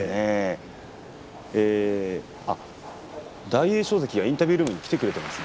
大栄翔関インタビュールームに来ています。